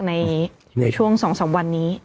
ในช่วง๒๓วันนี้